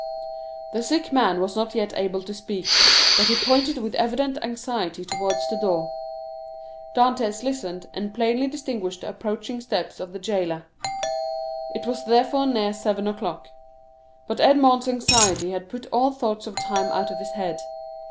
The sick man was not yet able to speak, but he pointed with evident anxiety towards the door. Dantès listened, and plainly distinguished the approaching steps of the jailer. It was therefore near seven o'clock; but Edmond's anxiety had put all thoughts of time out of his head.